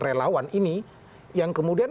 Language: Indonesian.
relawan ini yang kemudian